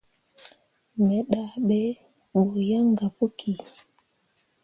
Me dahɓɓe buu yan gah puki.